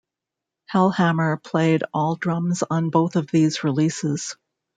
Hellhammer played all drums on both of these releases.